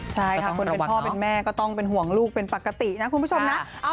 ใช่ค่ะคนเป็นพ่อเป็นแม่ก็ต้องเป็นห่วงลูกเป็นปกตินะคุณผู้ชมนะ